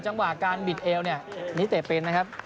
จังหวะการบิดเอวเนี่ยนิเตะเป็นนะครับ